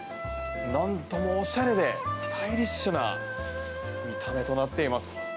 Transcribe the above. なんともおしゃれでスタイリッシュな見た目となっています。